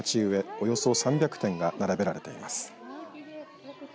およそ３００点が並べられています。